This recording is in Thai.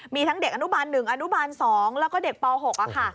มีทั้งเด็กอนุบาล๑อนุบาล๒แล้วก็เด็กป๖ค่ะ